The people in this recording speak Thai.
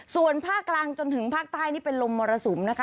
ส่วนภาคกลางจนถึงภาคใต้นี่เป็นลมมรสุมนะคะ